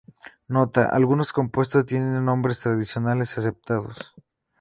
Nota: Algunos compuestos tienen nombres tradicionales aceptados.